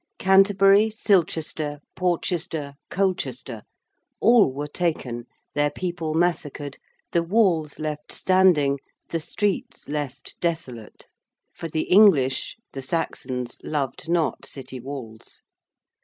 Canterbury, Silchester, Porchester, Colchester all were taken, their people massacred, the walls left standing, the streets left desolate. For the English the Saxons loved not city walls.